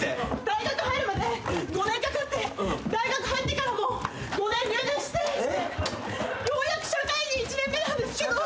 大学入るまで５年かかって大学入ってからも５年留年してようやく社会人１年目なんですけど。